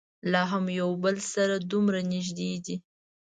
لا هم یو بل سره دومره نږدې دي.